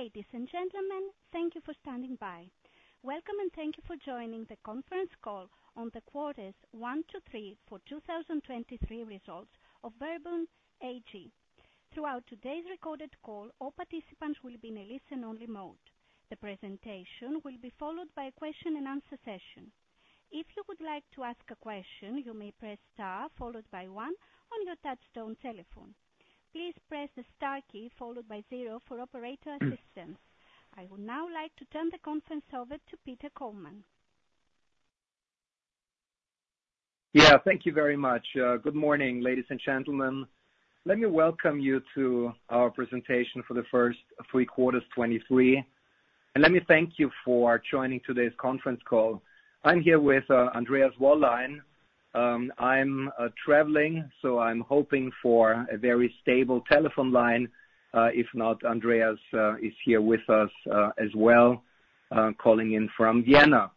Ladies and gentlemen, thank you for standing by. Welcome, and thank you for joining the Conference Call on the Quarters One to Three for 2023 Results of VERBUND AG. Throughout today's recorded call, all participants will be in a listen-only mode. The presentation will be followed by a question-and-answer session. If you would like to ask a question, you may press star, followed by one on your touchtone telephone. Please press the star key, followed by zero for operator assistance. I would now like to turn the conference over to Peter Kollmann. Yeah, thank you very much. Good morning, ladies and gentlemen. Let me welcome you to our presentation for the first three quarters 2023, and let me thank you for joining today's conference call. I'm here with Andreas Wollein. I'm traveling, so I'm hoping for a very stable telephone line. If not, Andreas is here with us as well, calling in from Vienna.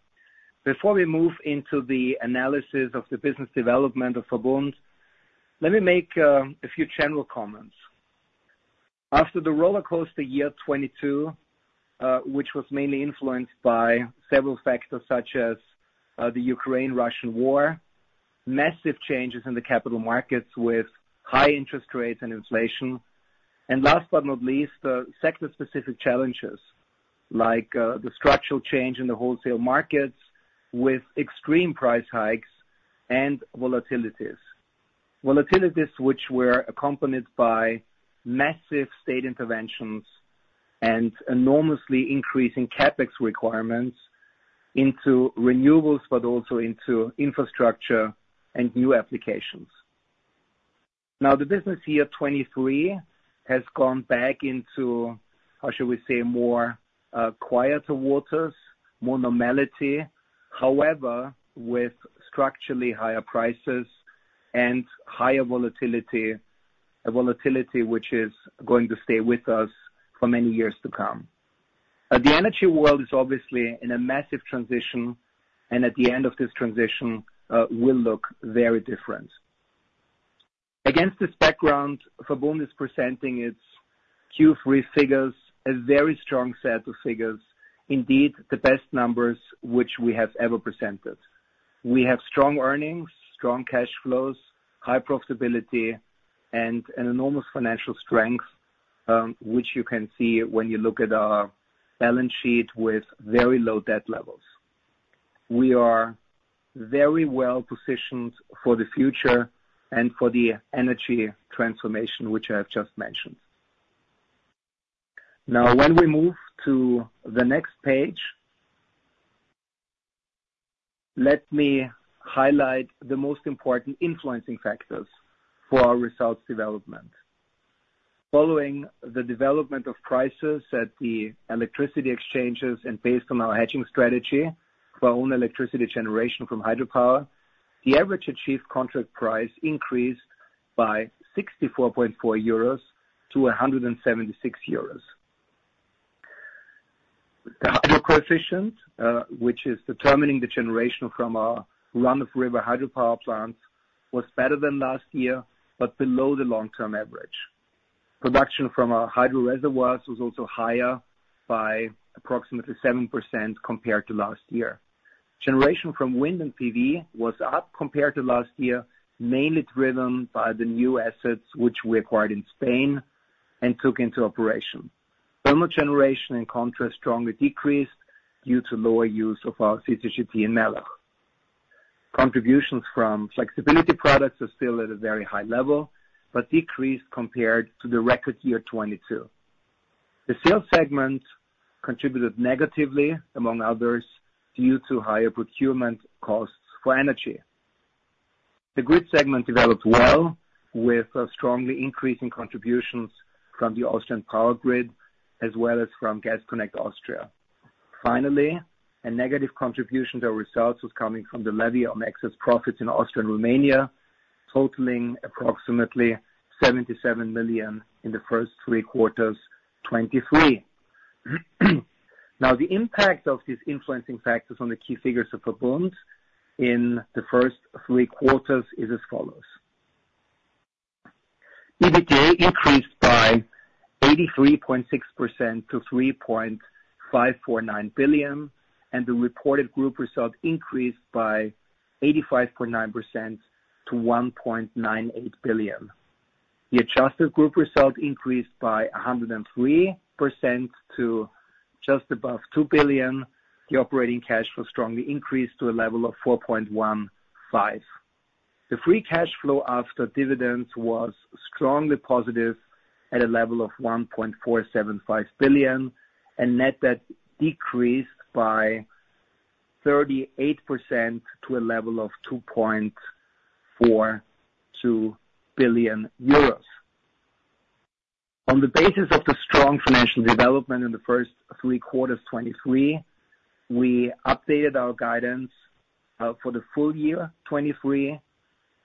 Before we move into the analysis of the business development of VERBUND, let me make a few general comments. After the rollercoaster year 2022, which was mainly influenced by several factors, such as the Ukraine-Russian war, massive changes in the capital markets with high interest rates and inflation, and last but not least, the sector-specific challenges, like the structural change in the wholesale markets with extreme price hikes and volatilities. Volatilities which were accompanied by massive state interventions and enormously increasing CapEx requirements into renewables, but also into infrastructure and new applications. Now, the business year 2023 has gone back into, how should we say, more, quieter waters, more normality. However, with structurally higher prices and higher volatility, a volatility which is going to stay with us for many years to come. The energy world is obviously in a massive transition, and at the end of this transition, will look very different. Against this background, VERBUND is presenting its Q3 figures, a very strong set of figures, indeed, the best numbers which we have ever presented. We have strong earnings, strong cash flows, high profitability, and an enormous financial strength, which you can see when you look at our balance sheet with very low debt levels. We are very well positioned for the future and for the energy transformation, which I have just mentioned. Now, when we move to the next page, let me highlight the most important influencing factors for our results development. Following the development of prices at the electricity exchanges and based on our hedging strategy for our own electricity generation from hydropower, the average achieved contract price increased by EUR 64.4-EUR 176. The Hydro coefficient, which is determining the generation from our run-of-river hydropower plants, was better than last year, but below the long-term average. Production from our hydro reservoirs was also higher by approximately 7% compared to last year. Generation from wind and PV was up compared to last year, mainly driven by the new assets which we acquired in Spain and took into operation. Thermal generation, in contrast, strongly decreased due to lower use of our CCGT in Mellach. Contributions from flexibility products are still at a very high level, but decreased compared to the record year 2022. The sales segment contributed negatively, among others, due to higher procurement costs for energy. The grid segment developed well, with strongly increasing contributions from the Austrian Power Grid, as well as from Gas Connect Austria. Finally, a negative contribution to our results was coming from the levy on excess profits in Austria and Romania, totaling approximately 77 million in the first three quarters, 2023. Now, the impact of these influencing factors on the key figures of VERBUND in the first three quarters is as follows: EBITDA increased by 83.6% to 3.549 billion, and the reported group result increased by 85.9% to 1.98 billion. The adjusted group result increased by 103% to just above 2 billion. The operating cash flow strongly increased to a level of 4.15 billion. The free cash flow after dividends was strongly positive at a level of 1.475 billion, and net debt decreased by 38% to a level of 2.42 billion euros. On the basis of the strong financial development in the first three quarters 2023, we updated our guidance for the full year 2023,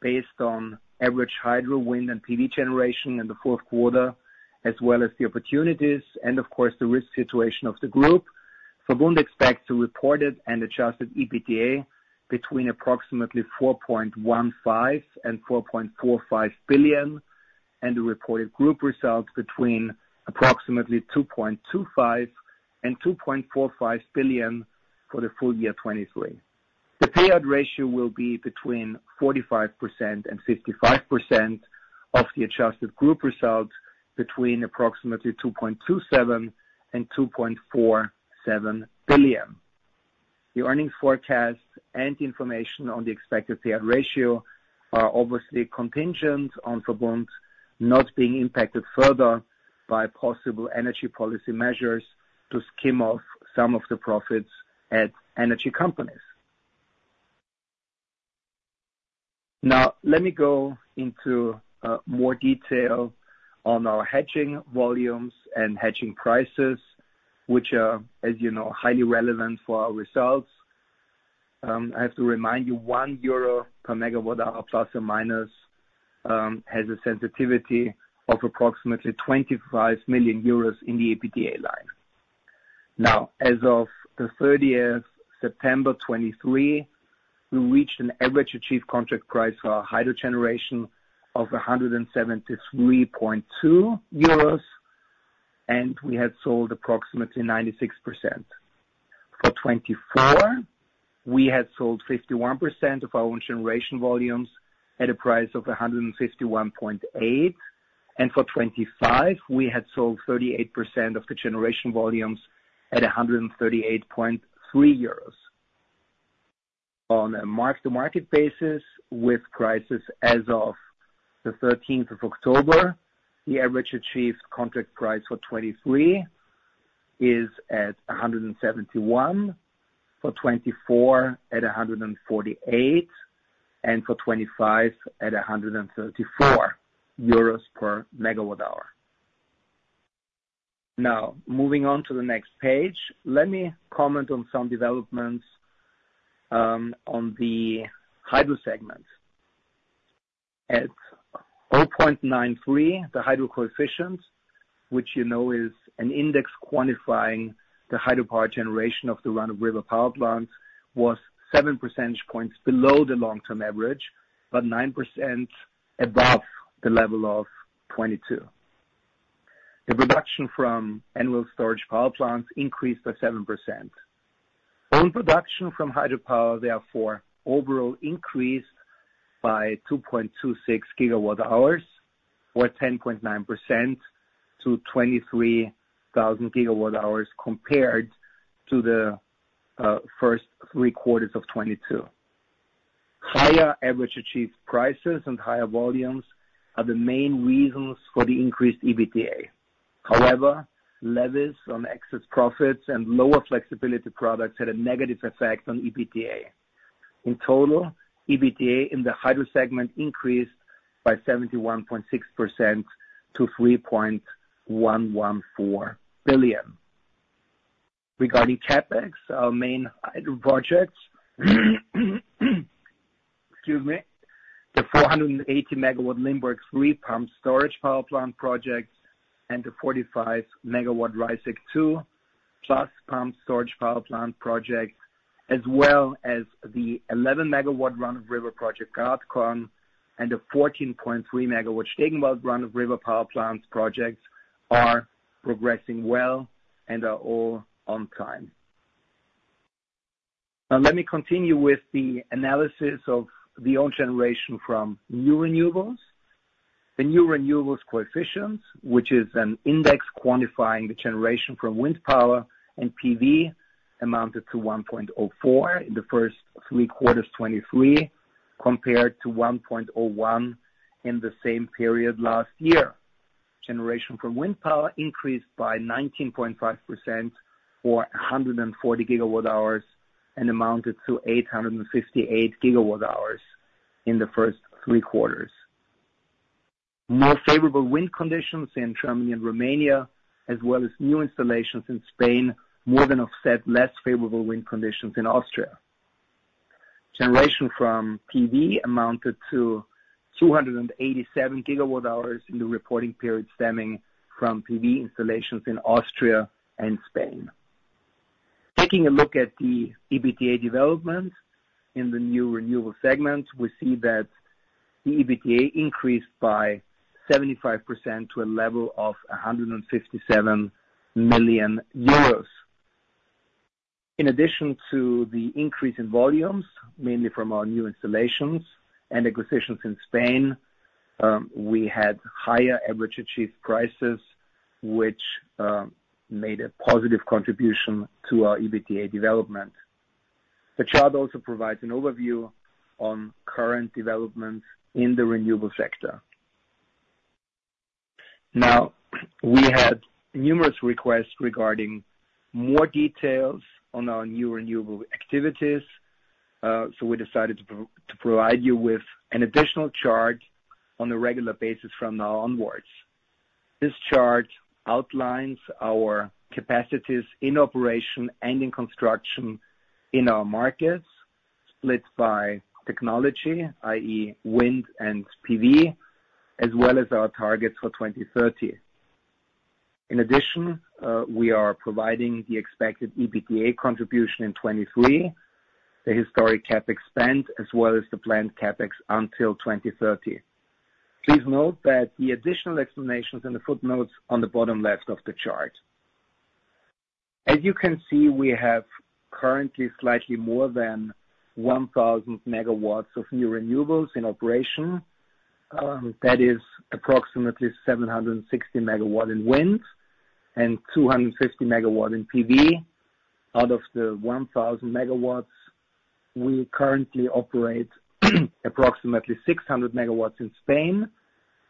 based on average hydro, wind, and PV generation in the fourth quarter, as well as the opportunities and, of course, the risk situation of the group. So, VERBUND expects to report reported and adjusted EBITDA between approximately 4.15 billion and 4.45 billion, and the reported group results between approximately 2.25 billion and 2.45 billion for the full year 2023. The payout ratio will be between 45% and 55% of the adjusted group results, between approximately 2.27 billion and 2.47 billion. The earnings forecast and information on the expected payout ratio are obviously contingent on VERBUND not being impacted further by possible energy policy measures to skim off some of the profits at energy companies. Now, let me go into more detail on our hedging volumes and hedging prices, which are, as you know, highly relevant for our results. I have to remind you, 1 euro per MWh±, has a sensitivity of approximately 25 million euros in the EBITDA line. Now, as of the 30th September 2023, we reached an average achieved contract price for our hydro generation of 173.2 euros, and we had sold approximately 96%. For 2024, we had sold 51% of our own generation volumes at a price of 151.8, and for 2025, we had sold 38% of the generation volumes at 138.3 euros. On a mark-to-market basis, with prices as of the 13th of October, the average achieved contract price for 2023 is at 171, for 2024 at 148, and for 2025 at 134 euros per MWh. Now, moving on to the next page, let me comment on some developments, you know, on the hydro segment. At 0.93, the hydro coefficient, which you know is an index quantifying the hydropower generation of the run-of-river power plants, was 7 percentage points below the long-term average, but 9% above the level of 2022. The production from annual storage power plants increased by 7%. Own production from hydropower, therefore, overall increased by 2.26 GWh, or 10.9% to 23,000 GWh, compared to the first three quarters of 2022. Higher average achieved prices and higher volumes are the main reasons for the increased EBITDA. However, levies on excess profits and lower flexibility products had a negative effect on EBITDA. In total, EBITDA in the hydro segment increased by 71.6% to EUR 3.114 billion. Regarding CapEx, our main hydro projects, excuse me, the 480 MW Limberg III pumped storage power plant project and the 45 MW Reißeck II plus pumped storage power plant project, as well as the 11-MW run-of-river project, Gratkorn, and the 14.3 MW Stegenwald run-of-river power plants projects are progressing well and are all on time. Now, let me continue with the analysis of the own generation from new renewables. The new renewables coefficients, which is an index quantifying the generation from wind power and PV, amounted to 1.04 in the first three quarters 2023, compared to 1.01 in the same period last year. Generation from wind power increased by 19.5%, or 140 GWh, and amounted to 858 GWh in the first three quarters. More favorable wind conditions in Germany and Romania, as well as new installations in Spain, more than offset less favorable wind conditions in Austria. Generation from PV amounted to 287 GWh in the reporting period, stemming from PV installations in Austria and Spain. Taking a look at the EBITDA development in the new renewable segment, we see that the EBITDA increased by 75% to a level of 157 million euros. In addition to the increase in volumes, mainly from our new installations and acquisitions in Spain, we had higher average achieved prices, which made a positive contribution to our EBITDA development. The chart also provides an overview on current developments in the renewable sector. Now, we had numerous requests regarding more details on our new renewable activities, so we decided to provide you with an additional chart on a regular basis from now onwards. This chart outlines our capacities in operation and in construction in our markets, split by technology, i.e., wind and PV, as well as our targets for 2030. In addition, we are providing the expected EBITDA contribution in 2023, the historic CapEx spend, as well as the planned CapEx until 2030. Please note the additional explanations in the footnotes on the bottom left of the chart. As you can see, we have currently slightly more than 1,000 MW of new renewables in operation, that is approximately 760 MW in wind and 250 MW in PV. Out of the 1,000 MW, we currently operate approximately 600 MW in Spain,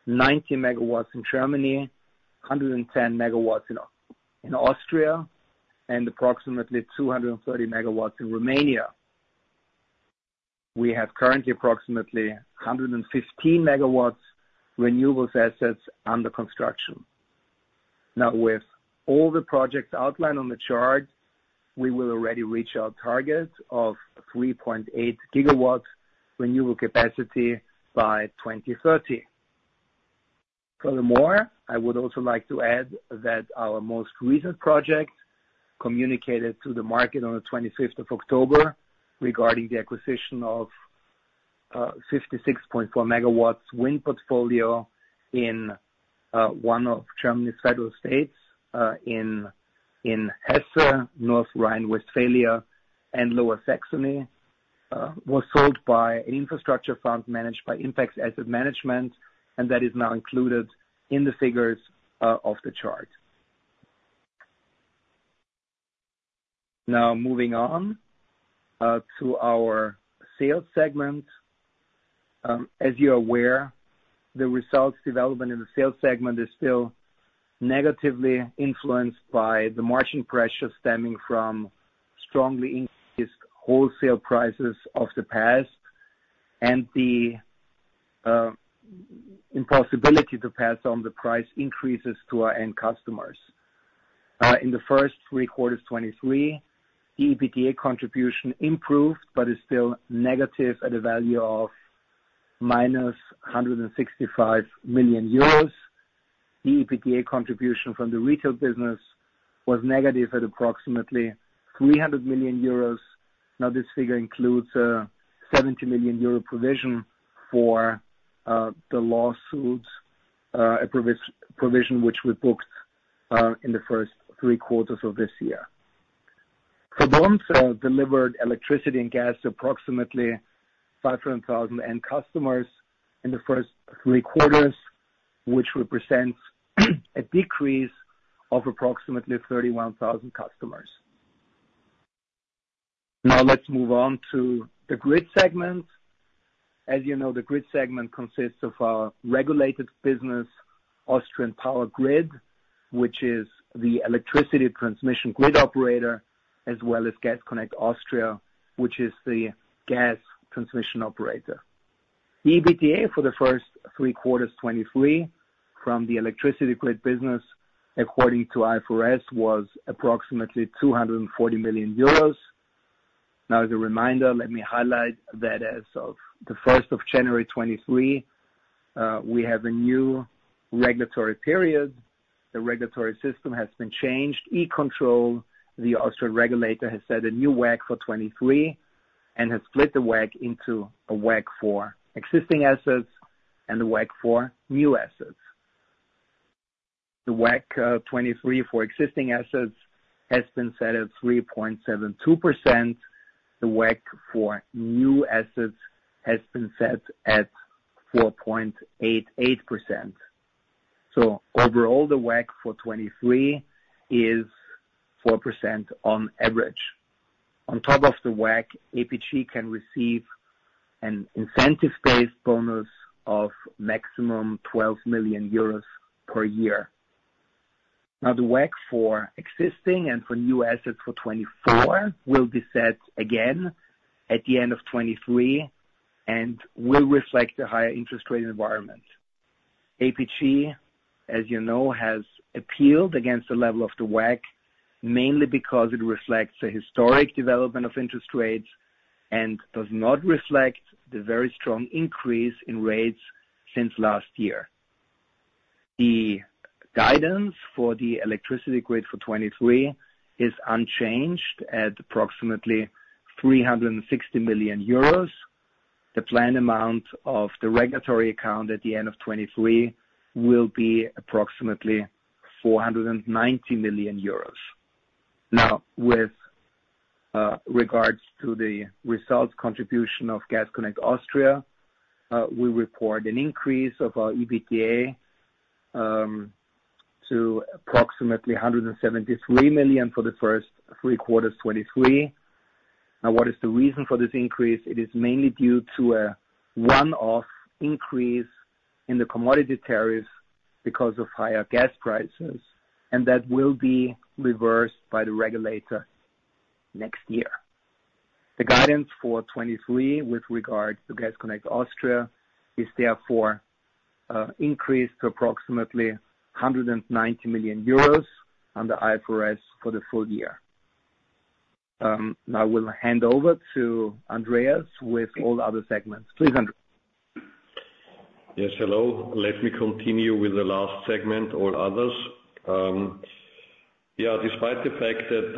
90 MW in Germany, 110 MW in Austria, and approximately 230 MW in Romania. We have currently approximately 115 MW renewable assets under construction. Now, with all the projects outlined on the chart, we will already reach our target of 3.8 GW renewable capacity by 2030. Furthermore, I would also like to add that our most recent project, communicated to the market on the 25th of October, regarding the acquisition of 56.4 MW wind portfolio in one of Germany's federal states, in Hesse, North Rhine-Westphalia, and Lower Saxony, was sold by an infrastructure fund managed by Impax Asset Management, and that is now included in the figures of the chart. Now, moving on to our sales segment. As you are aware, the results development in the sales segment is still negatively influenced by the margin pressure stemming from strongly increased wholesale prices of the past, and the impossibility to pass on the price increases to our end customers. In the first three quarters 2023, EBITDA contribution improved, but is still negative at a value of -165 million euros. The EBITDA contribution from the retail business was negative at approximately -300 million euros. Now, this figure includes 70 million euro provision for the lawsuits, a provision which we booked in the first three quarters of this year. We delivered electricity and gas to approximately 500,000 end customers in the first three quarters, which represents a decrease of approximately 31,000 customers. Now, let's move on to the grid segment. As you know, the grid segment consists of our regulated business, Austrian Power Grid, which is the electricity transmission grid operator, as well as Gas Connect Austria, which is the gas transmission operator. EBITDA for the first three quarters, 2023, from the electricity grid business, according to IFRS, was approximately 240 million euros. Now, as a reminder, let me highlight that as of 1st January 2023, we have a new regulatory period. The regulatory system has been changed. E-Control, the Austrian regulator, has set a new WACC for 2023, and has split the WACC into a WACC for existing assets and a WACC for new assets. The WACC, 2023 for existing assets has been set at 3.72%. The WACC for new assets has been set at 4.88%. So overall, the WACC for 2023 is 4% on average. On top of the WACC, APG can receive an incentive-based bonus of maximum 12 million euros per year. Now, the WACC for existing and for new assets for 2024 will be set again at the end of 2023 and will reflect the higher interest rate environment. APG, as you know, has appealed against the level of the WACC, mainly because it reflects the historic development of interest rates and does not reflect the very strong increase in rates since last year. The guidance for the electricity grid for 2023 is unchanged at approximately 360 million euros. The planned amount of the regulatory account at the end of 2023 will be approximately 490 million euros. Now, with regards to the results contribution of Gas Connect Austria, we report an increase of our EBITDA to approximately 173 million for the first three quarters, 2023. Now, what is the reason for this increase? It is mainly due to a one-off increase in the commodity tariffs because of higher gas prices, and that will be reversed by the regulator next year. The guidance for 2023, with regard to Gas Connect Austria, is therefore increased to approximately 190 million euros on the IFRS for the full year. Now we'll hand over to Andreas with all the other segments. Please, Andreas. Yes, hello. Let me continue with the last segment, all others. Despite the fact that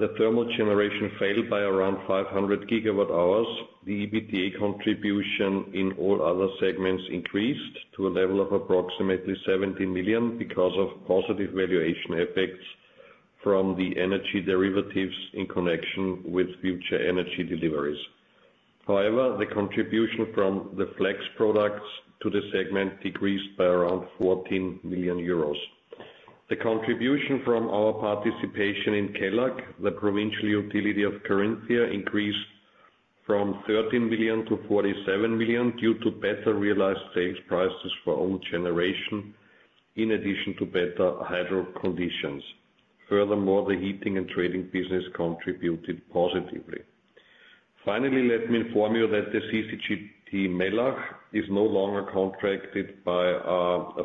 the thermal generation failed by around 500 GWh, the EBITDA contribution in all other segments increased to a level of approximately 70 million, because of positive valuation effects from the energy derivatives in connection with future energy deliveries. However, the contribution from the flex products to the segment decreased by around 14 million euros. The contribution from our participation in Kelag, the provincial utility of Carinthia, increased from 13 million-47 million, due to better realized sales prices for own generation, in addition to better hydro conditions. Furthermore, the heating and trading business contributed positively. Finally, let me inform you that the CCGT Mellach is no longer contracted by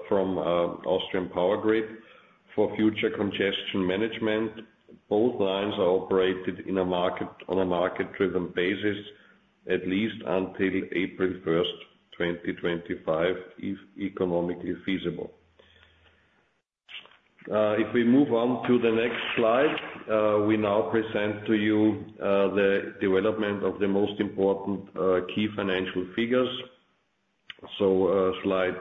Austrian Power Grid for future congestion management. Both lines are operated in a market- on a market-driven basis, at least until April 1st, 2025, if economically feasible. If we move on to the next slide, we now present to you the development of the most important key financial figures. So, slide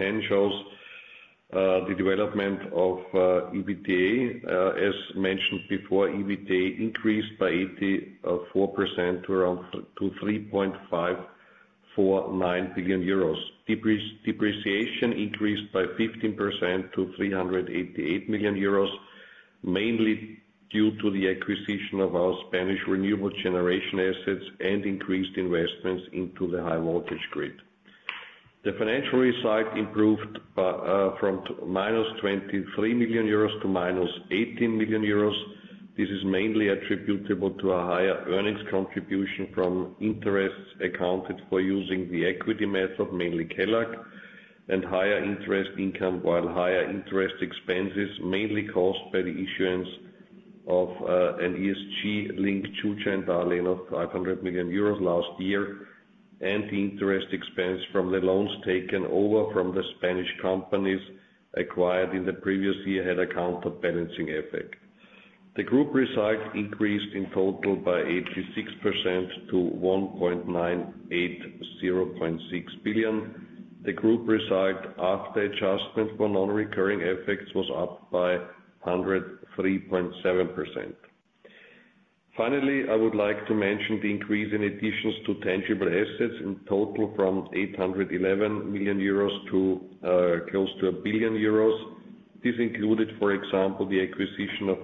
10 shows the development of EBITDA. As mentioned before, EBITDA increased by 84% to 3.549 billion euros. Depreciation increased by 15% to 388 million euros, mainly due to the acquisition of our Spanish renewable generation assets, and increased investments into the high voltage grid. The financial result improved from -23 million--18 million euros. This is mainly attributable to a higher earnings contribution from interests accounted for using the equity method, mainly Kelag, and higher interest income, while higher interest expenses, mainly caused by the issuance of an ESG-linked two tranche dollar loan of 500 million euros last year, and the interest expense from the loans taken over from the Spanish companies acquired in the previous year, had a counterbalancing effect. The group result increased in total by 86% to 1.9806 billion. The group result, after adjustment for non-recurring effects, was up by 103.7%. Finally, I would like to mention the increase in additions to tangible assets, in total from 811 million euros to close to 1 billion euros. This included, for example, the acquisition of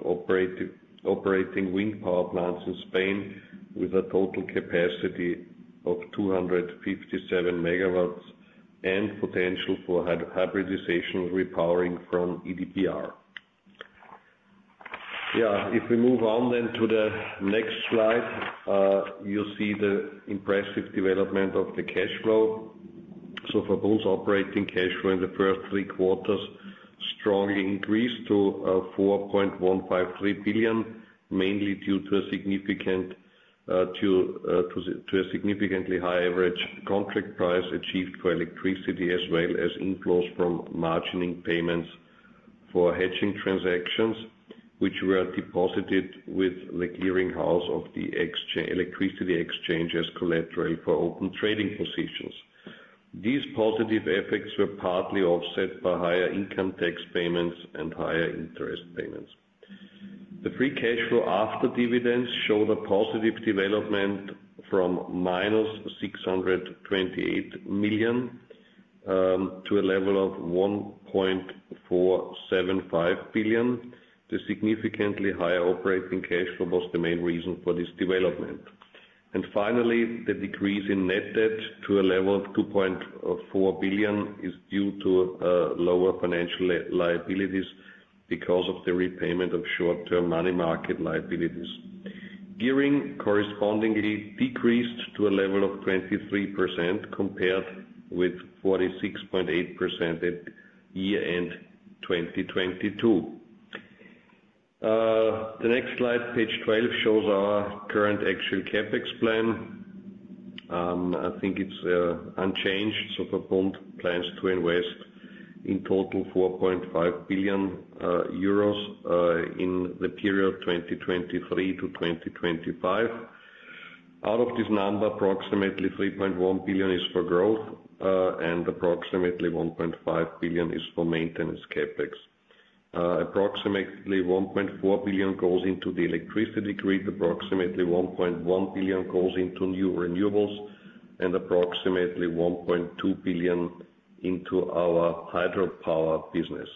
operating wind power plants in Spain, with a total capacity of 257 MW, and potential for hybridization repowering from EDPR. Yeah, if we move on then to the next slide, you'll see the impressive development of the cash flow. So VERBUND's operating cash flow in the first three quarters strongly increased to 4.153 billion, mainly due to a significantly higher average contract price achieved for electricity, as well as inflows from margining payments for hedging transactions, which were deposited with the clearing house of the electricity exchange as collateral for open trading positions. These positive effects were partly offset by higher income tax payments and higher interest payments. The free cash flow after dividends showed a positive development from -628 million to a level of 1.475 billion. The significantly higher operating cash flow was the main reason for this development. And finally, the decrease in net debt to a level of 2.4 billion is due to lower financial liabilities because of the repayment of short-term money market liabilities. Gearing correspondingly decreased to a level of 23%, compared with 46.8% at year-end 2022. The next slide, page 12, shows our current actual CapEx plan. I think it's unchanged, so VERBUND plans to invest in total 4.5 billion euros in the period 2023-2025. Out of this number, approximately 3.1 billion is for growth, and approximately 1.5 billion is for maintenance CapEx. Approximately 1.4 billion goes into the electricity grid, approximately 1.1 billion goes into new renewables, and approximately 1.2 billion into our hydropower business.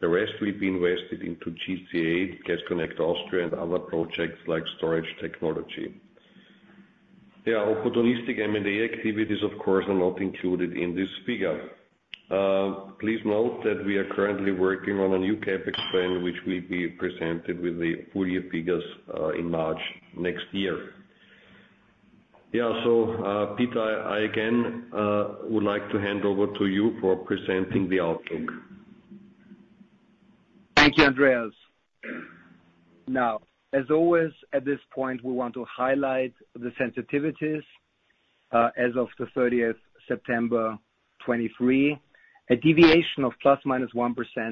The rest will be invested into GCA, Gas Connect Austria, and other projects like storage technology. The opportunistic M&A activities, of course, are not included in this figure. Please note that we are currently working on a new CapEx plan, which will be presented with the full year figures, in March next year. Yeah, so, Peter, I again would like to hand over to you for presenting the outlook. Thank you, Andreas. Now, as always, at this point, we want to highlight the sensitivities, as of the 30th September 2023. A deviation of ±1%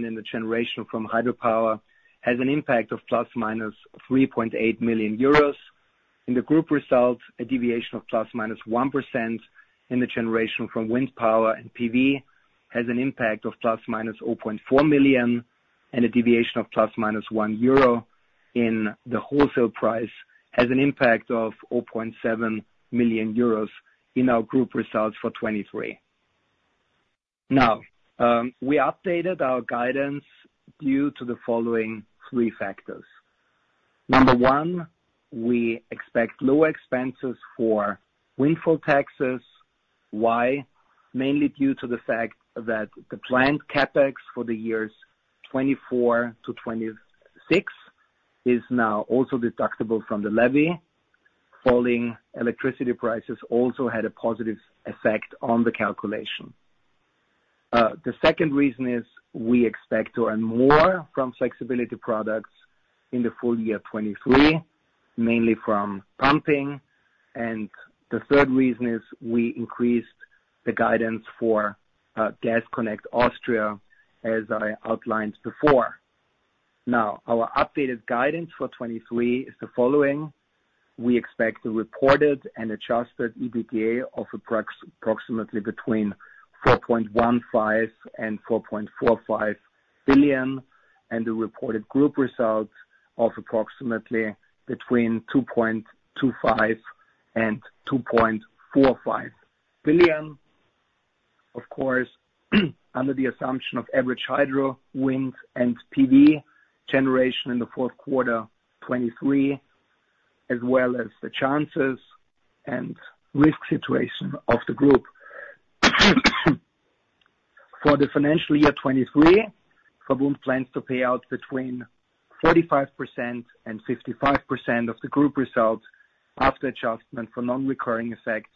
in the generation from hydropower, has an impact of ±3.8 million euros. In the group results, a deviation of ±1% in the generation from wind power and PV, has an impact of ±0.4 million, and a deviation of ±1 euro in the wholesale price, has an impact of 0.7 million euros in our group results for 2023. Now, we updated our guidance due to the following three factors. Number one, we expect lower expenses for windfall taxes. Why? Mainly due to the fact that the planned CapEx for the years 2024-2026, is now also deductible from the levy. Falling electricity prices also had a positive effect on the calculation. The second reason is, we expect to earn more from flexibility products in the full year 2023, mainly from pumping. The third reason is, we increased the guidance for Gas Connect Austria, as I outlined before. Now, our updated guidance for 2023 is the following: We expect a reported and adjusted EBITDA of approximately between 4.15 billion and 4.45 billion, and a reported group result of approximately between 2.25 billion and 2.45 billion. Of course, under the assumption of average hydro, wind, and PV generation in the fourth quarter 2023, as well as the chances and risk situation of the group. For the financial year 2023, VERBUND plans to pay out between 45% and 55% of the group results, after adjustment for non-recurring effects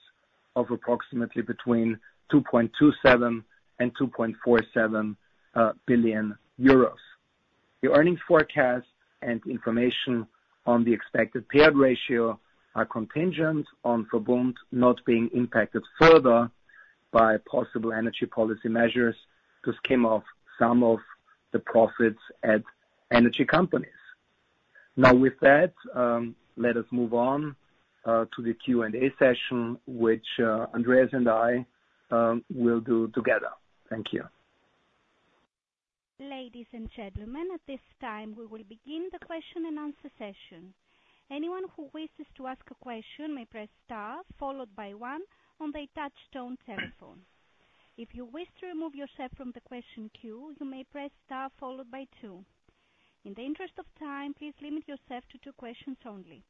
of approximately between 2.27 billion and 2.47 billion euros. The earnings forecast and information on the expected payout ratio are contingent on VERBUND not being impacted further by possible energy policy measures to skim off some of the profits at energy companies. Now, with that, let us move on, to the Q&A session, which, Andreas and I, will do together. Thank you. Ladies and gentlemen, at this time, we will begin the question and answer session. Anyone who wishes to ask a question may press star, followed by one on their touchtone telephone. If you wish to remove yourself from the question queue, you may press star followed by two. In the interest of time, please limit yourself to two questions only.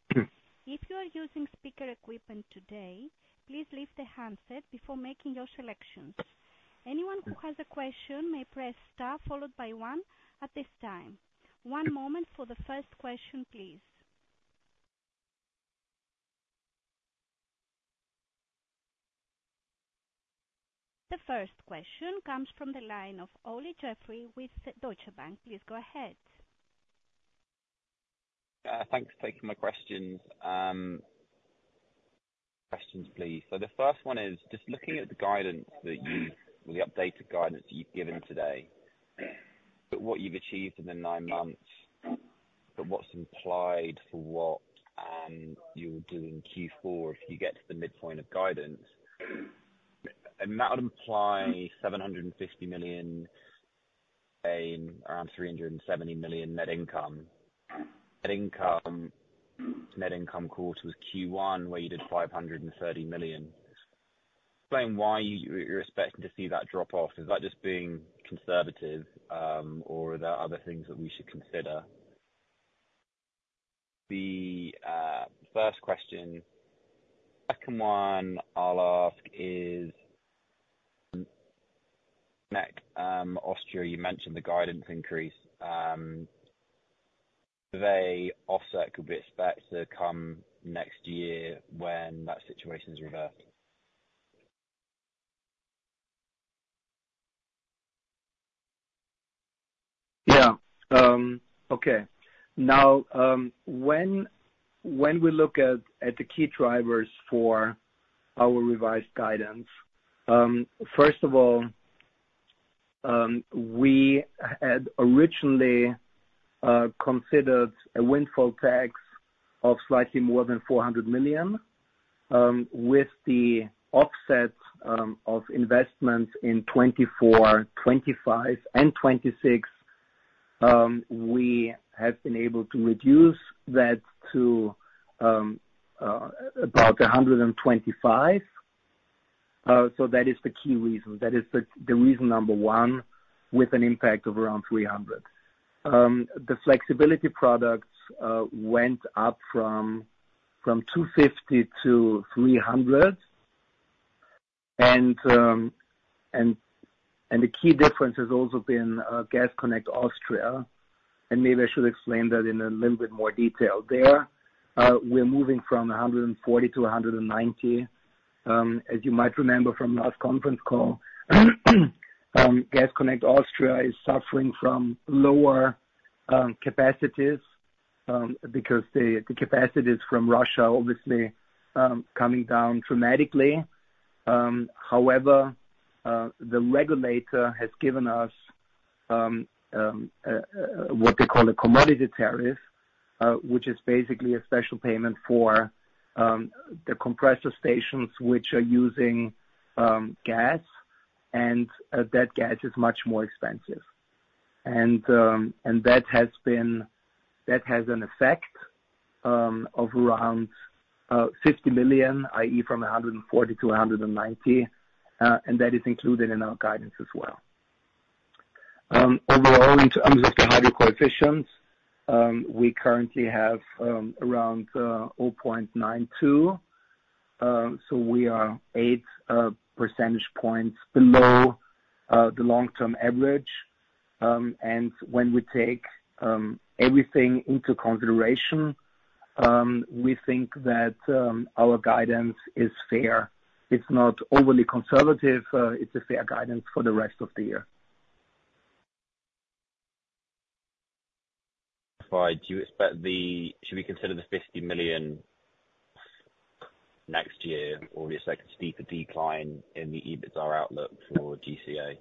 If you are using speaker equipment today, please leave the handset before making your selections. Anyone who has a question may press star, followed by one at this time. One moment for the first question, please. The first question comes from the line of Olly Jeffery with Deutsche Bank. Please go ahead. Thanks for taking my questions, please. So the first one is, just looking at the guidance that you've -- or the updated guidance that you've given today, but what you've achieved in the nine months, but what's implied for what you'll do in Q4, if you get to the midpoint of guidance, and that would imply 750 million, paying around 370 million net income. Net income, net income quarter was Q1, where you did 530 million. Explain why you're expecting to see that drop off. Is that just being conservative, or are there other things that we should consider? The first question. Second one I'll ask is, Gas Connect Austria, you mentioned the guidance increase, the offset could be expected to come next year when that situation is reversed? Yeah. Okay. Now, when we look at the key drivers for our revised guidance, first of all, we had originally considered a windfall tax of slightly more than 400 million, with the offset of investments in 2024, 2025 and 2026, we have been able to reduce that to about 125 million. So that is the key reason. That is the reason number one, with an impact of around 300 million. The flexibility products went up from 250 million-300 million. And the key difference has also been Gas Connect Austria, and maybe I should explain that in a little bit more detail. There, we're moving from 140 million-190 million. As you might remember from last conference call, Gas Connect Austria is suffering from lower capacities because the capacities from Russia obviously coming down dramatically. However, the regulator has given us what they call a commodity tariff, which is basically a special payment for the compressor stations, which are using gas, and that gas is much more expensive. And that has an effect of around 50 million, i.e., from 140 million-190 million, and that is included in our guidance as well. Overall, in terms of the hydro coefficients, we currently have around 0.92. So we are 8 percentage points below the long-term average. When we take everything into consideration, we think that our guidance is fair. It's not overly conservative, it's a fair guidance for the rest of the year. Right. Do you expect the... Should we consider the 50 million next year, or is that a steeper decline in the EBITDA outlook for GCA?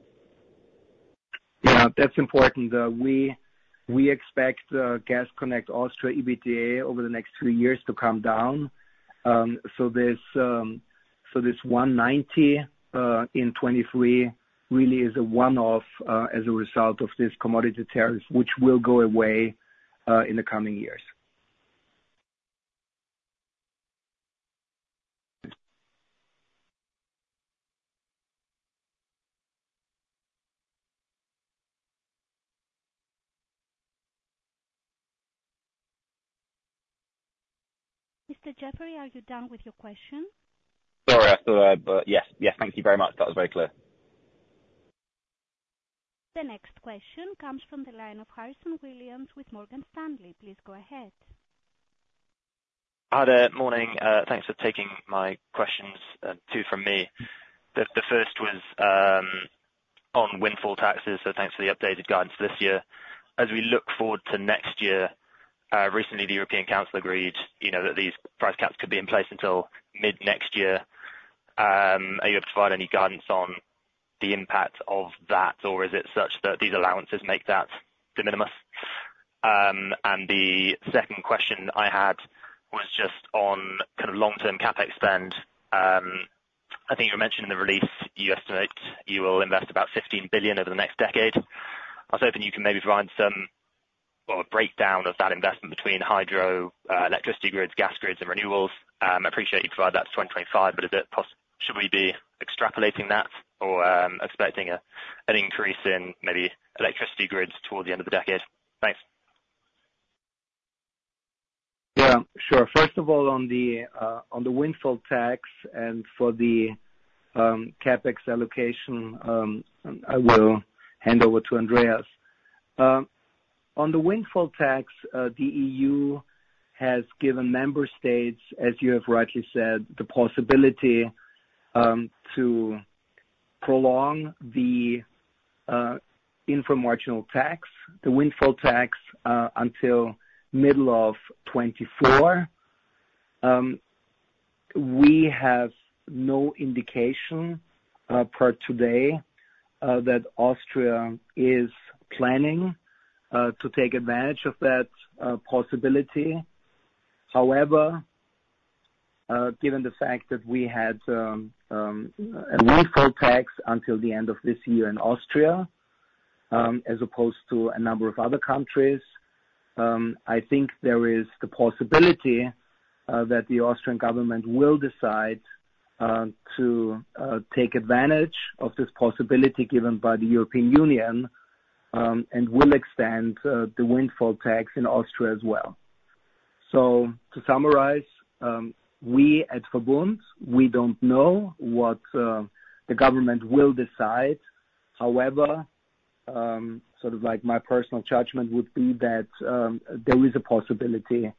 Yeah, that's important. We expect Gas Connect Austria EBITDA over the next two years to come down. So this 190 million in 2023 really is a one-off as a result of this commodity tariff, which will go away in the coming years. Mr. Jeffery, are you done with your question? Sorry, but yes. Yes, thank you very much. That was very clear. The next question comes from the line of Harrison Williams with Morgan Stanley. Please go ahead. Hi there, morning. Thanks for taking my questions, two from me. The first was on windfall taxes, so thanks for the updated guidance this year. As we look forward to next year, recently the European Council agreed, you know, that these price caps could be in place until mid-next year. Are you able to provide any guidance on the impact of that, or is it such that these allowances make that de minimis? And the second question I had was just on kind of long-term CapEx spend. I think you mentioned in the release, you estimate you will invest about 15 billion over the next decade. I was hoping you can maybe provide some, or a breakdown of that investment between hydro, electricity grids, gas grids, and renewables. Appreciate you provided that to 2025, but should we be extrapolating that, or expecting an increase in maybe electricity grids toward the end of the decade? Thanks. Yeah, sure. First of all, on the windfall tax and for the CapEx allocation, I will hand over to Andreas. On the windfall tax, the EU has given member states, as you have rightly said, the possibility to prolong the infra-marginal tax, the windfall tax, until middle of 2024. We have no indication, per today, that Austria is planning to take advantage of that possibility. However, given the fact that we had a windfall tax until the end of this year in Austria, as opposed to a number of other countries, I think there is the possibility that the Austrian government will decide to take advantage of this possibility given by the European Union, and will extend the windfall tax in Austria as well. So to summarize, we at VERBUND, we don't know what the government will decide. However, sort of like my personal judgment would be that there is a possibility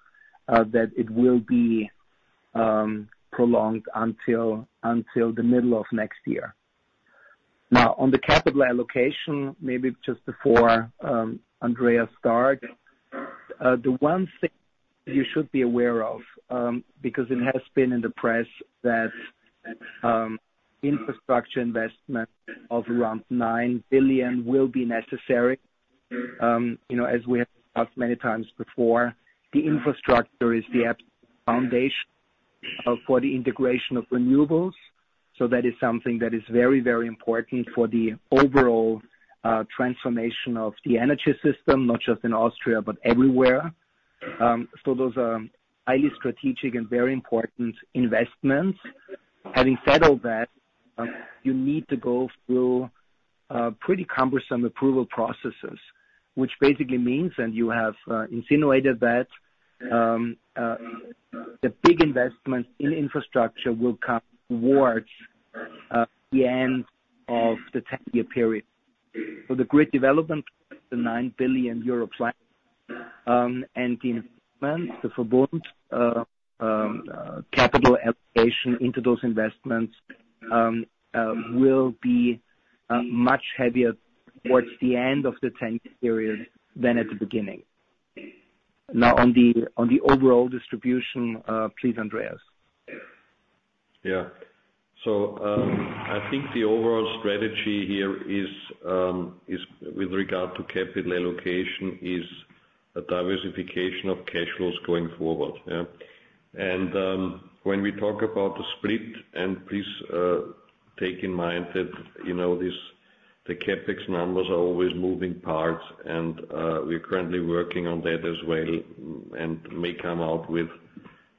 that it will be prolonged until the middle of next year. Now, on the capital allocation, maybe just before Andreas start the one thing you should be aware of because it has been in the press, that infrastructure investment of around 9 billion will be necessary. You know, as we have talked many times before, the infrastructure is the absolute foundation for the integration of renewables. So that is something that is very, very important for the overall transformation of the energy system, not just in Austria, but everywhere. So those are highly strategic and very important investments. Having said all that, you need to go through-... Pretty cumbersome approval processes, which basically means, and you have insinuated that the big investment in infrastructure will come towards the end of the 10-year period. For the grid development, the 9 billion euro plan, and the investment, the VERBUND capital allocation into those investments, will be much heavier towards the end of the 10-year period than at the beginning. Now, on the overall distribution, please, Andreas? Yeah. So, I think the overall strategy here is, is with regard to capital allocation, is a diversification of cash flows going forward, yeah? And, when we talk about the split, and please, take in mind that, you know, these, the CapEx numbers are always moving parts, and, we're currently working on that as well, and may come out with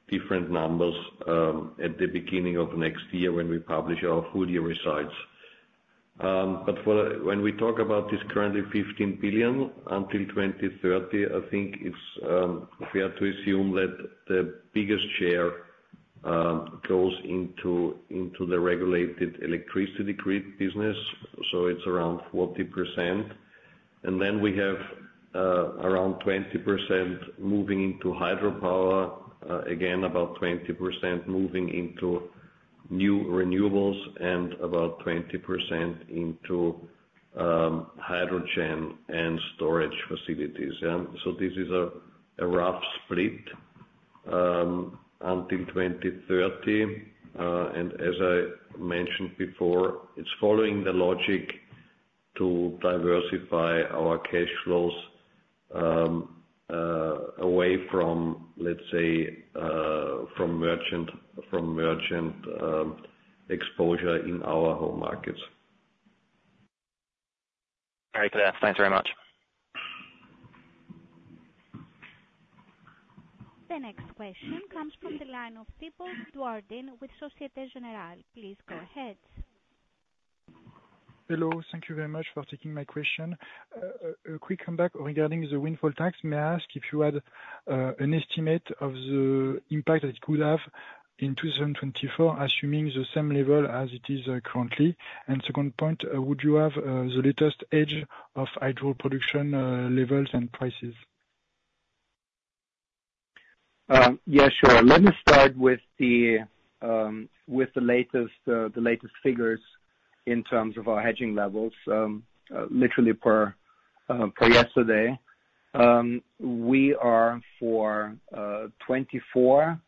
different numbers, at the beginning of next year when we publish our full year results. But for, when we talk about this currently 15 billion until 2030, I think it's fair to assume that the biggest share goes into, into the regulated electricity grid business. So it's around 40%. And then we have, around 20% moving into hydropower, again, about 20% moving into new renewables, and about 20% into, hydrogen and storage facilities. Yeah, so this is a rough split until 2030. As I mentioned before, it's following the logic to diversify our cash flows away from, let's say, from merchant exposure in our home markets. Very clear. Thanks very much. The next question comes from the line of Thibault Dujardin with Société Générale. Please go ahead. Hello. Thank you very much for taking my question. A quick comeback regarding the windfall tax. May I ask if you had an estimate of the impact it could have in 2024, assuming the same level as it is currently? Second point, would you have the latest hedge of hydro production levels and prices? Yeah, sure. Let me start with the latest figures in terms of our hedging levels. Literally per yesterday, we are for 2024,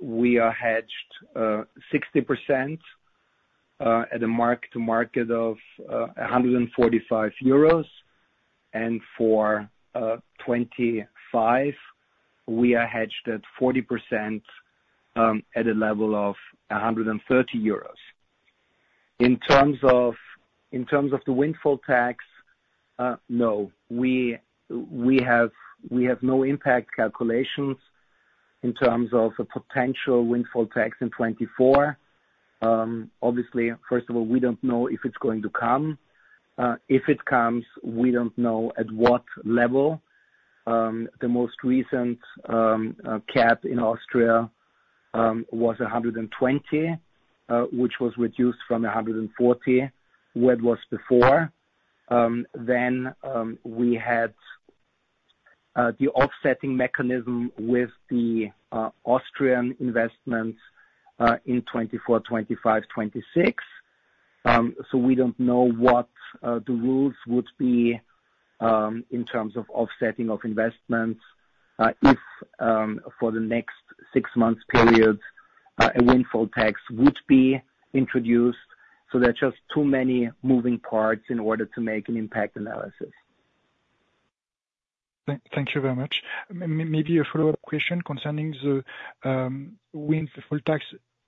we are hedged 60% at a mark-to-market of 145 euros. And for 2025, we are hedged at 40% at a level of 130 euros. In terms of the windfall tax, no, we have no impact calculations in terms of a potential windfall tax in 2024. Obviously, first of all, we don't know if it's going to come. If it comes, we don't know at what level. The most recent cap in Austria was 120, which was reduced from 140, where it was before. Then we had the offsetting mechanism with the Austrian investments in 2024, 2025, 2026. So we don't know what the rules would be in terms of offsetting of investments, if for the next six months period a windfall tax would be introduced. So there are just too many moving parts in order to make an impact analysis. Thank you very much. Maybe a follow-up question concerning the windfall tax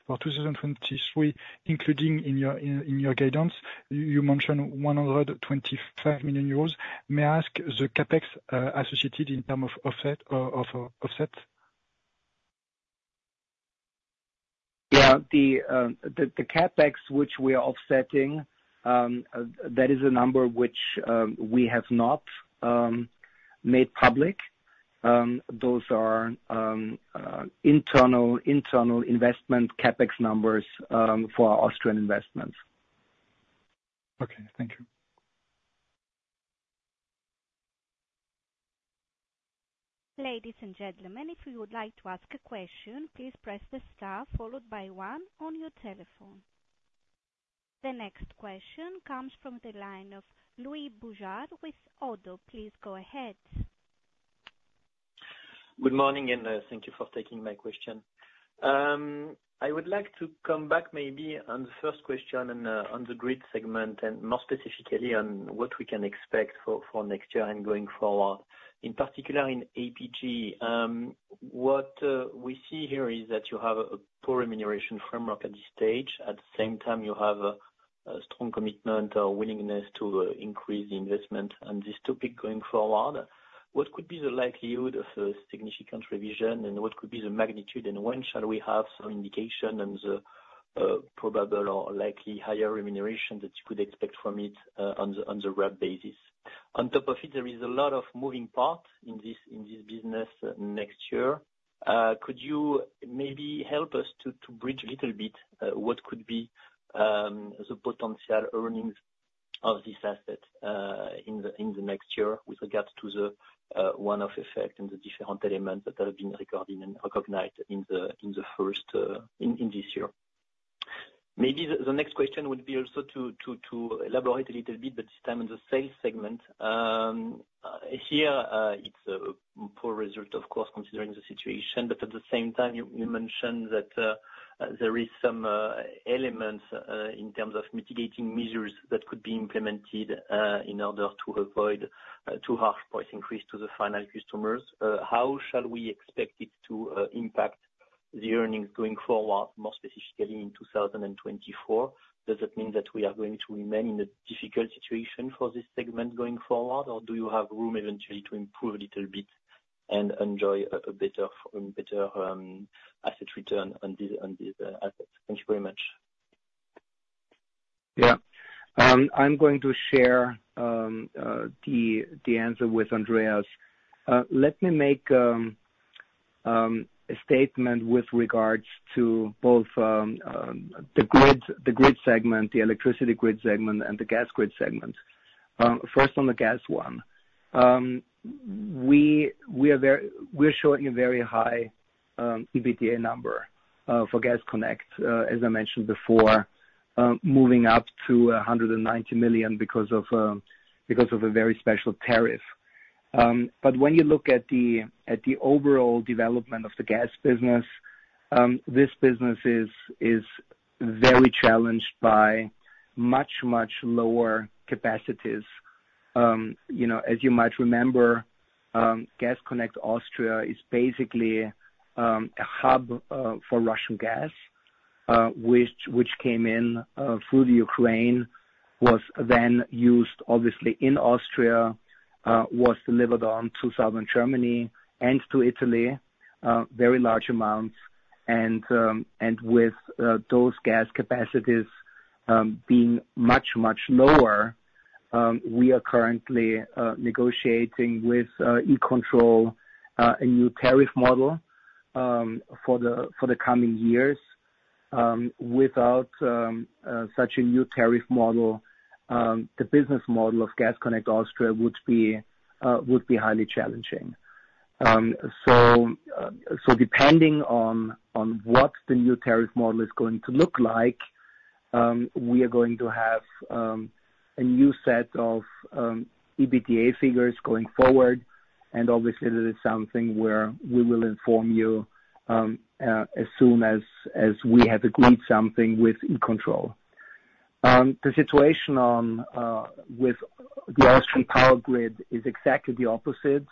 for 2023, including in your guidance. You mentioned 125 million euros. May I ask the CapEx associated in terms of offset of offset? Yeah. The CapEx, which we are offsetting, that is a number which we have not made public. Those are internal investment CapEx numbers for our Austrian investments. Okay, thank you. Ladies and gentlemen, if you would like to ask a question, please press the star followed by one on your telephone. The next question comes from the line of Louis Boujard with Oddo. Please go ahead. Good morning, and thank you for taking my question. I would like to come back maybe on the first question and on the grid segment, and more specifically on what we can expect for next year and going forward, in particular in APG. What we see here is that you have a poor remuneration framework at this stage. At the same time, you have a strong commitment or willingness to increase the investment and this topic going forward. What could be the likelihood of a significant revision, and what could be the magnitude, and when shall we have some indication on the probable or likely higher remuneration that you could expect from it on the rep basis? On top of it, there is a lot of moving parts in this business next year. Could you maybe help us to bridge a little bit what could be the potential earnings of this asset in the next year with regards to the one-off effect and the different elements that have been recorded and recognized in the first, in this year? Maybe the next question would be also to elaborate a little bit, but this time on the sales segment. Here, it's a poor result, of course, considering the situation, but at the same time, you mentioned that there is some elements in terms of mitigating measures that could be implemented in order to avoid too harsh price increase to the final customers. How shall we expect it to impact the earnings going forward, more specifically in 2024? Does it mean that we are going to remain in a difficult situation for this segment going forward, or do you have room eventually to improve a little bit and enjoy a, a better, better, asset return on these, on these assets? Thank you very much. Yeah. I'm going to share the answer with Andreas. Let me make a statement with regards to both the grid segment, the electricity grid segment, and the gas grid segment. First, on the gas one, we're showing a very high EBITDA number for Gas Connect, as I mentioned before, moving up to 190 million because of a very special tariff. But when you look at the overall development of the gas business, this business is very challenged by much lower capacities. You know, as you might remember, Gas Connect Austria is basically a hub for Russian gas, which came in through the Ukraine, was then used, obviously, in Austria, was delivered on to Southern Germany and to Italy, very large amounts. And with those gas capacities being much, much lower, we are currently negotiating with E-Control a new tariff model for the coming years. Without such a new tariff model, the business model of Gas Connect Austria would be highly challenging. So depending on what the new tariff model is going to look like, we are going to have a new set of EBITDA figures going forward, and obviously that is something where we will inform you as soon as we have agreed something with E-Control. The situation with the Austrian Power Grid is exactly the opposite.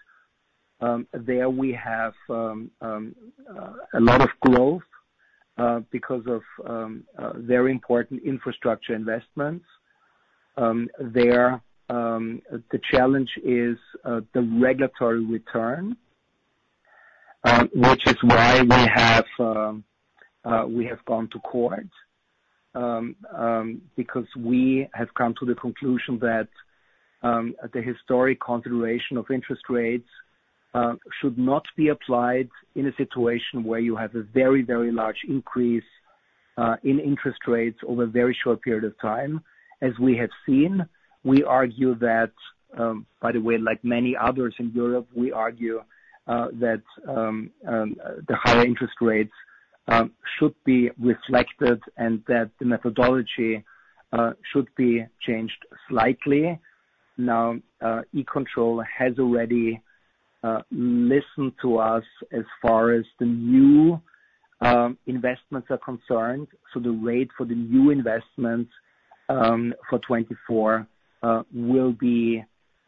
There we have a lot of growth because of very important infrastructure investments. The challenge is the regulatory return, which is why we have gone to court because we have come to the conclusion that the historic consideration of interest rates should not be applied in a situation where you have a very, very large increase in interest rates over a very short period of time. As we have seen, we argue that, by the way, like many others in Europe, we argue that the higher interest rates should be reflected and that the methodology should be changed slightly. Now, E-Control has already listened to us as far as the new investments are concerned. So the rate for the new investments for 2024 will be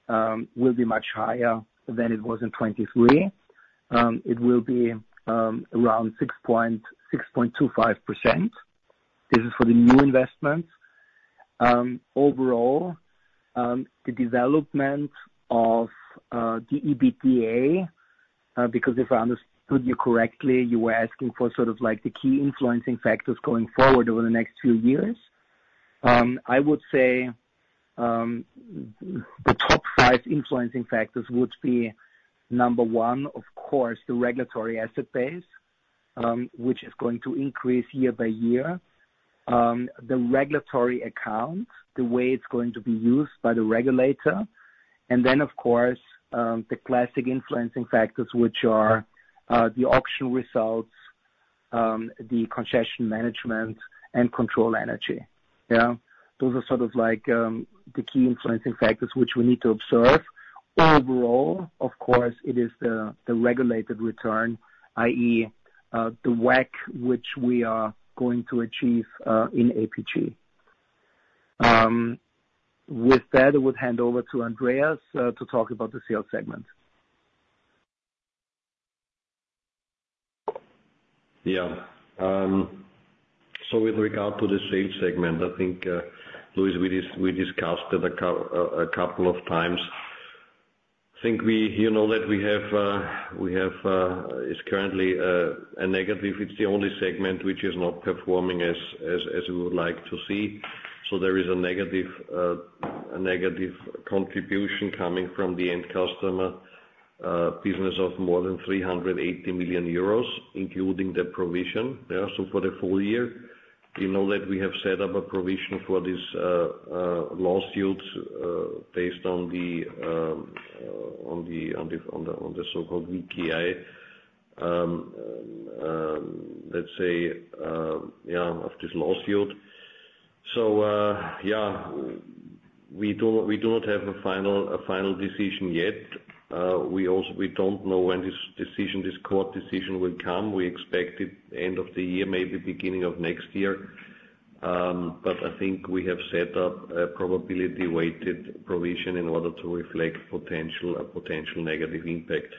much higher than it was in 2023. It will be around 6.25%. This is for the new investments. Overall, the development of the EBITDA, because if I understood you correctly, you were asking for sort of like the key influencing factors going forward over the next few years. I would say the top five influencing factors would be, number one, of course, the regulatory asset base, which is going to increase year by year. The regulatory account, the way it's going to be used by the regulator, and then, of course, the classic influencing factors, which are the auction results, the concession management, and control energy. Yeah, those are sort of like the key influencing factors which we need to observe. Overall, of course, it is the regulated return, i.e., the WACC, which we are going to achieve in APG. With that, I would hand over to Andreas to talk about the sales segment. Yeah. So with regard to the sales segment, I think, Louis, we discussed it a couple of times.... I think we, you know, that we have, we have, is currently, a negative. It's the only segment which is not performing as, as, as we would like to see. So there is a negative, a negative contribution coming from the end customer, business of more than -380 million euros, including the provision. Yeah, so for the full year, you know that we have set up a provision for this, lawsuits, based on the, on the, on the, on the so-called VKI. Let's say, yeah, of this lawsuit. So, yeah, we do, we do not have a final, a final decision yet. We also- we don't know when this decision, this court decision will come. We expect it end of the year, maybe beginning of next year. But I think we have set up a probability-weighted provision in order to reflect potential negative impact.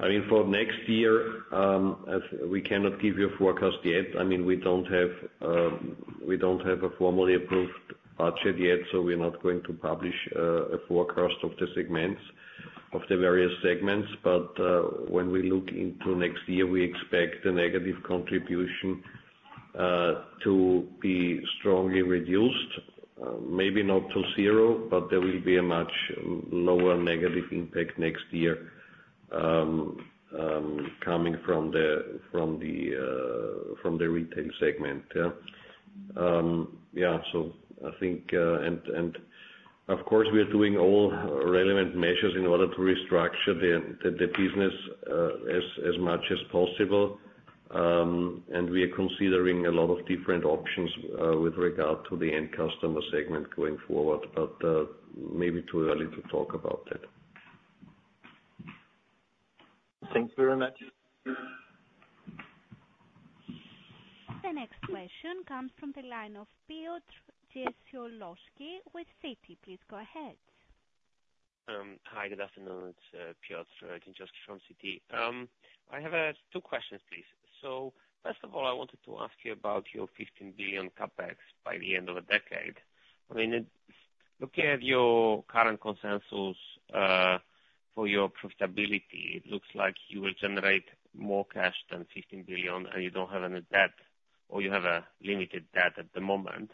I mean, for next year, as we cannot give you a forecast yet, I mean, we don't have a formally approved budget yet, so we're not going to publish a forecast of the segments, of the various segments. But when we look into next year, we expect the negative contribution to be strongly reduced, maybe not to zero, but there will be a much lower negative impact next year, coming from the retail segment. Yeah. Yeah, so I think, and of course, we are doing all relevant measures in order to restructure the business as much as possible. We are considering a lot of different options with regard to the end customer segment going forward, but maybe too early to talk about that. Thanks very much. The next question comes from the line of Piotr Dzieciolowski with Citi. Please go ahead. Hi, good afternoon. It's Piotr Dzieciolowski from Citi. I have two questions, please. So first of all, I wanted to ask you about your 15 billion CapEx by the end of the decade. I mean, looking at your current consensus for your profitability, it looks like you will generate more cash than 15 billion, and you don't have any debt, or you have a limited debt at the moment.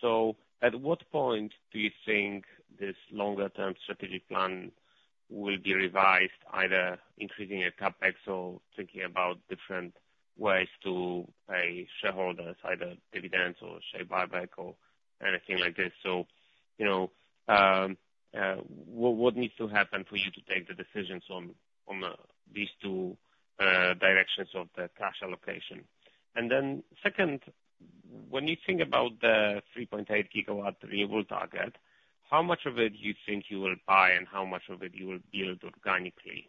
So at what point do you think this longer-term strategic plan will be revised, either increasing your CapEx or thinking about different ways to pay shareholders, either dividends or share buyback or anything like this? So, you know, what needs to happen for you to take the decisions on these two directions of the cash allocation? And then second, when you think about the 3.8 GW renewable target, how much of it do you think you will buy, and how much of it you will build organically?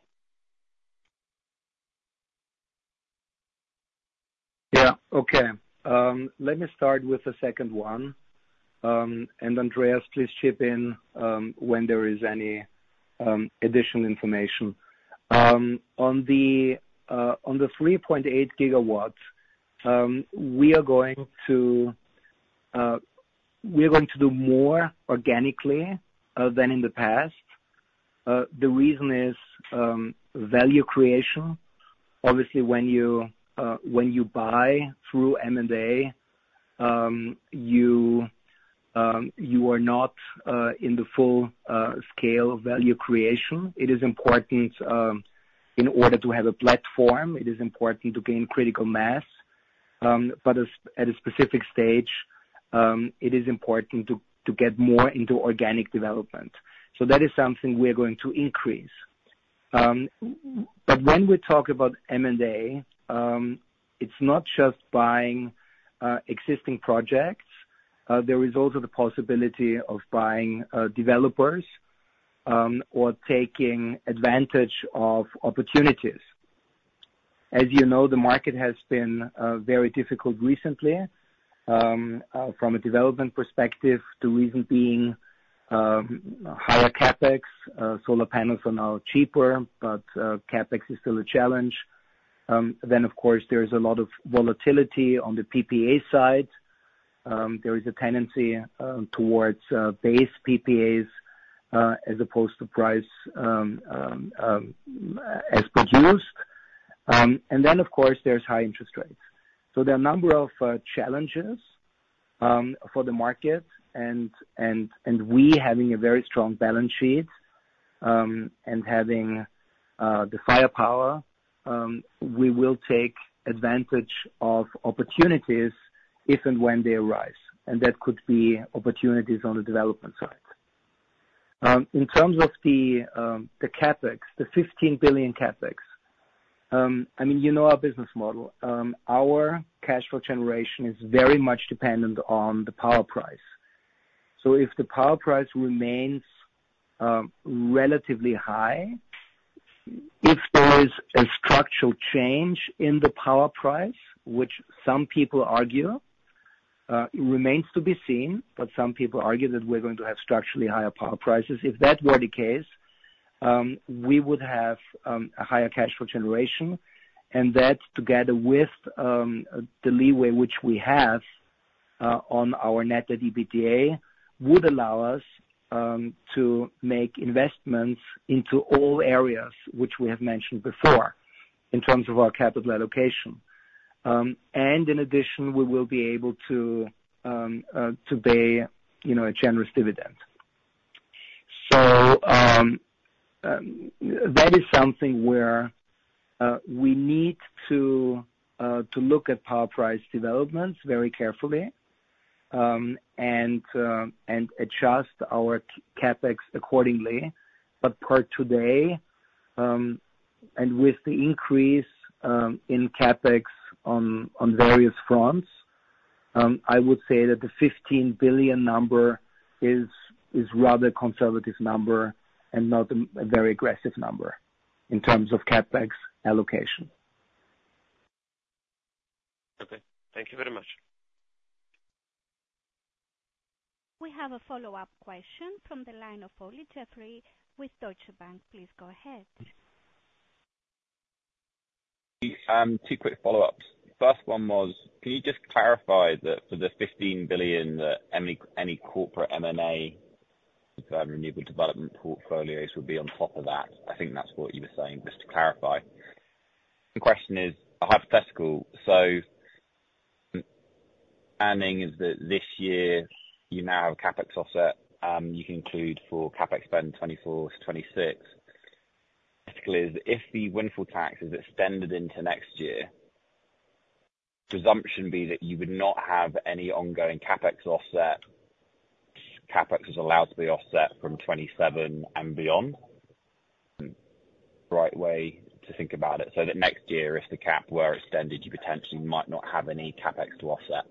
Yeah. Okay, let me start with the second one, and Andreas, please chip in when there is any additional information. On the 3.8 GW, we are going to do more organically than in the past. The reason is value creation. Obviously, when you buy through M&A, you are not in the full scale of value creation. It is important, in order to have a platform, it is important to gain critical mass, but at a specific stage, it is important to get more into organic development. So that is something we are going to increase. But when we talk about M&A, it's not just buying existing projects. There is also the possibility of buying developers or taking advantage of opportunities. As you know, the market has been very difficult recently from a development perspective, the reason being higher CapEx. Solar panels are now cheaper, but CapEx is still a challenge. Then, of course, there is a lot of volatility on the PPA side. There is a tendency towards base PPAs as opposed to price as produced. And then, of course, there's high interest rates. So there are a number of challenges for the market, and we, having a very strong balance sheet and having the firepower, we will take advantage of opportunities if and when they arise, and that could be opportunities on the development side. In terms of the CapEx, the 15 billion CapEx, I mean, you know our business model. Our cash flow generation is very much dependent on the power price. So if the power price remains relatively high, if there is a structural change in the power price, which some people argue, it remains to be seen, but some people argue that we're going to have structurally higher power prices. If that were the case, we would have a higher cash flow generation, and that, together with the leeway which we have on our net EBITDA, would allow us to make investments into all areas which we have mentioned before, in terms of our capital allocation. And in addition, we will be able to to pay, you know, a generous dividend. So, that is something where we need to look at power price developments very carefully, and adjust our CapEx accordingly. But per today, and with the increase in CapEx on various fronts, I would say that the 15 billion number is rather a conservative number and not a very aggressive number in terms of CapEx allocation. Okay, thank you very much. We have a follow-up question from the line of Olly Jeffery with Deutsche Bank. Please go ahead. Two quick follow-ups. First one was, can you just clarify that for the 15 billion, that any, any corporate M&A, renewable development portfolios will be on top of that? I think that's what you were saying, just to clarify. The question is a hypothetical: So understanding is that this year you now have CapEx offset, you can include for CapEx spend 2024, 2026. Basically, is if the windfall tax is extended into next year, presumption be that you would not have any ongoing CapEx offset, CapEx is allowed to be offset from 2027 and beyond? Right way to think about it, so that next year, if the cap were extended, you potentially might not have any CapEx to offset.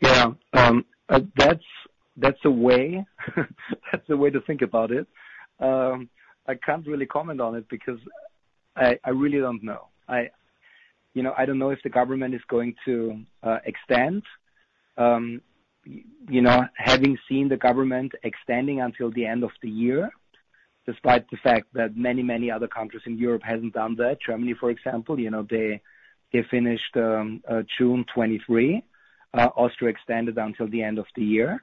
Yeah, that's, that's a way, that's a way to think about it. I can't really comment on it, because I, I really don't know. You know, I don't know if the government is going to extend. You know, having seen the government extending until the end of the year, despite the fact that many, many other countries in Europe hasn't done that. Germany, for example, you know, they, they finished June 2023. Austria extended until the end of the year.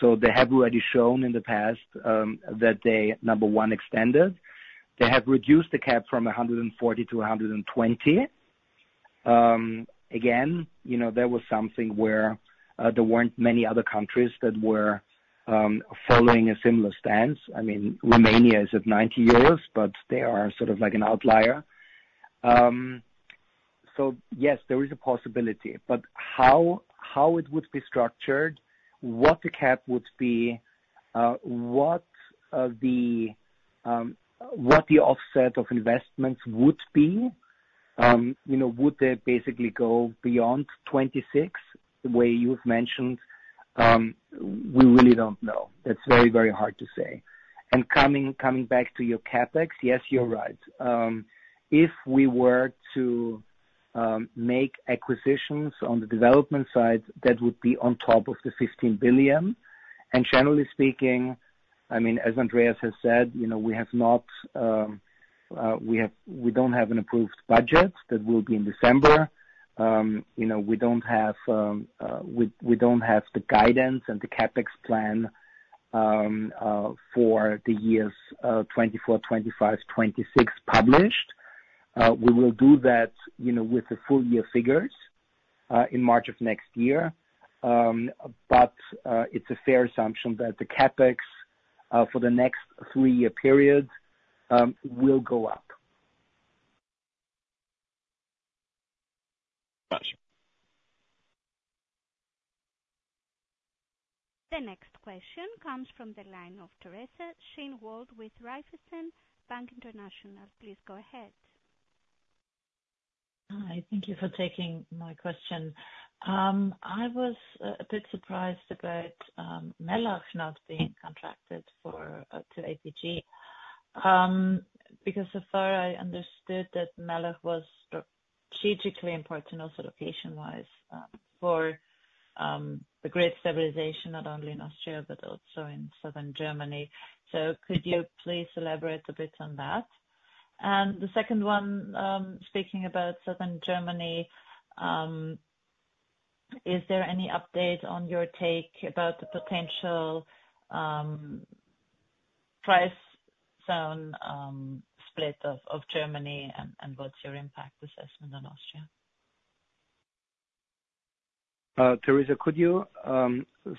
So they have already shown in the past, that they, number one, extended. They have reduced the cap from 140-120. Again, you know, that was something where, there weren't many other countries that were following a similar stance. I mean, Romania is at 90 euros, but they are sort of like an outlier. So yes, there is a possibility, but how it would be structured, what the cap would be, what the offset of investments would be, you know, would they basically go beyond 2026, the way you've mentioned? We really don't know. It's very, very hard to say. And coming back to your CapEx, yes, you're right. If we were to make acquisitions on the development side, that would be on top of the 15 billion. And generally speaking, I mean, as Andreas has said, you know, we have not, we don't have an approved budget. That will be in December. You know, we don't have the guidance and the CapEx plan for the years 2024, 2025, 2026 published. We will do that, you know, with the full year figures in March of next year. But it's a fair assumption that the CapEx for the next three-year period will go up. Gotcha. The next question comes from the line of Teresa Schinwald, with Raiffeisen Bank International. Please go ahead. Hi, thank you for taking my question. I was a bit surprised about Mellach not being contracted for to ABG. Because so far, I understood that Mellach was strategically important, also location-wise, for the grid stabilization, not only in Austria, but also in southern Germany. So could you please elaborate a bit on that? And the second one, speaking about southern Germany, is there any update on your take about the potential price zone split of Germany, and what's your impact assessment on Austria? Teresa, could you...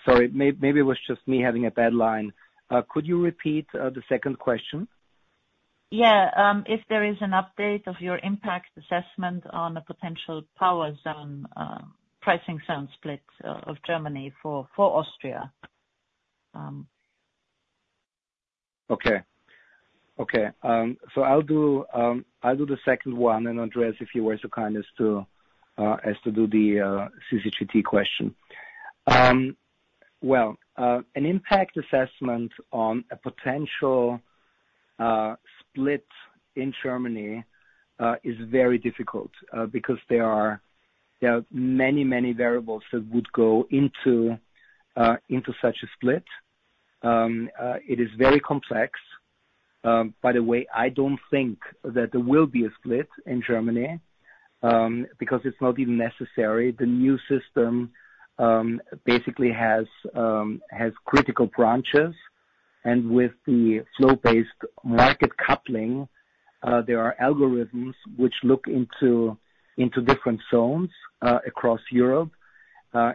Sorry, maybe it was just me having a bad line. Could you repeat the second question? Yeah. If there is an update of your impact assessment on a potential power zone pricing zone split of Germany for Austria? Okay. Okay, so I'll do, I'll do the second one, and Andreas, if you were so kind as to, as to do the CCGT question. Well, an impact assessment on a potential split in Germany is very difficult because there are, there are many, many variables that would go into, into such a split. It is very complex. By the way, I don't think that there will be a split in Germany because it's not even necessary. The new system basically has, has critical branches, and with the Flow-Based Market Coupling, there are algorithms which look into, into different zones across Europe.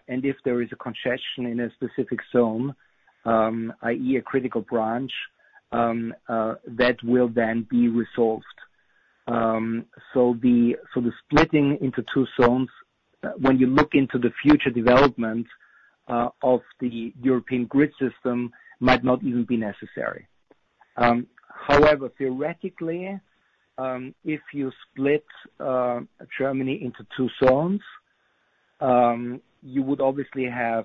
And if there is a congestion in a specific zone, i.e., a critical branch, that will then be resolved. So the splitting into two zones, when you look into the future development of the European grid system, might not even be necessary. However, theoretically, if you split Germany into two zones, you would obviously have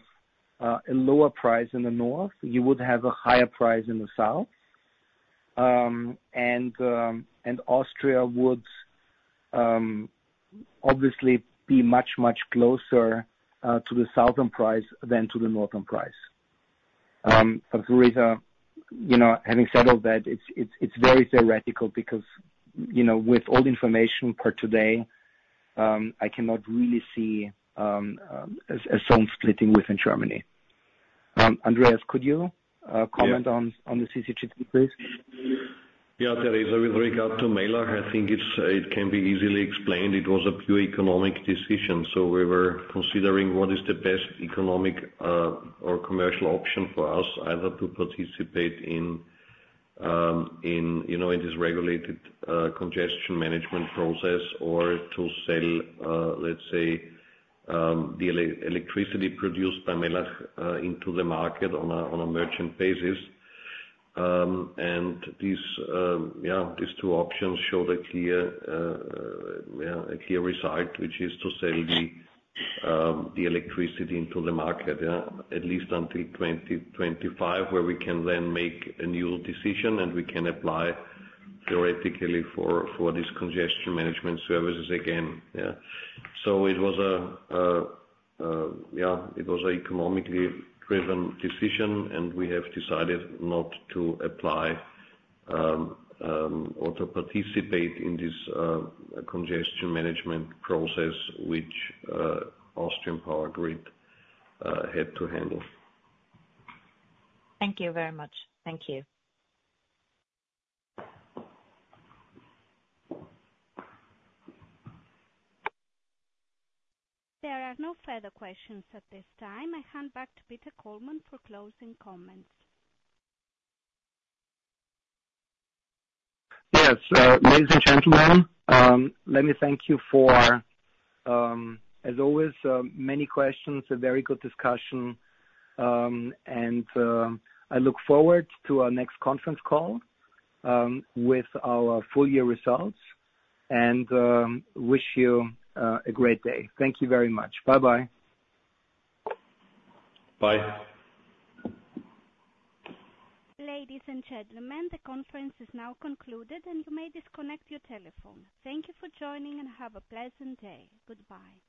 a lower price in the north. You would have a higher price in the south. And Austria would obviously be much, much closer to the southern price than to the northern price. Teresa, you know, having said all that, it's very theoretical because, you know, with all the information per today, I cannot really see a zone splitting within Germany. Andreas, could you comment on- Yeah. on the CCGT, please? Yeah, Teresa, with regard to Mellach, I think it can be easily explained. It was a pure economic decision, so we were considering what is the best economic, or commercial option for us, either to participate in, you know, in this regulated, congestion management process or to sell, let's say, the electricity produced by Mellach, into the market on a, on a merchant basis. And these, yeah, these two options show a clear, yeah, a clear result, which is to sell the, the electricity into the market, yeah, at least until 2025, where we can then make a new decision, and we can apply theoretically for, for this congestion management services again. Yeah. It was an economically driven decision, and we have decided not to apply or to participate in this congestion management process, which Austrian Power Grid had to handle. Thank you very much. Thank you. There are no further questions at this time. I hand back to Peter Kollmann for closing comments. Yes, ladies and gentlemen, let me thank you for, as always, many questions, a very good discussion, and I look forward to our next conference call with our full year results, and wish you a great day. Thank you very much. Bye-bye. Bye. Ladies and gentlemen, the conference is now concluded, and you may disconnect your telephone. Thank you for joining, and have a pleasant day. Goodbye.